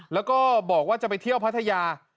แล้วก็บอกว่าจะไปเที่ยวพัทยา